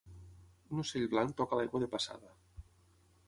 Un ocell blanc toca l'aigua de passada